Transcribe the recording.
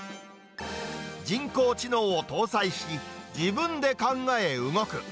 人工知能を搭載し、自分で考え動く。